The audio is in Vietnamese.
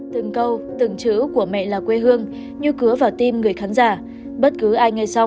từng câu từng chữ của mẹ là quê hương như cứa vào tim người khán giả bất cứ ai nghe xong cũng phải rưng rưng